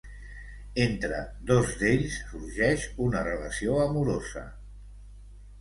Entre dos d'ells sorgeix una relació amorosa.